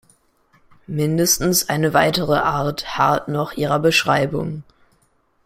Mindestens eine weitere Art harrt noch ihrer Beschreibung.